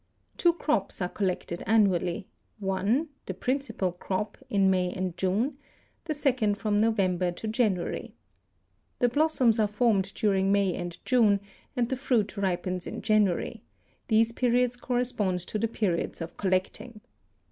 Two crops are collected annually; one, the principal crop, in May and June; the second from November to January. The blossoms are formed during May and June and the fruit ripens in January; these periods correspond to the periods of collecting.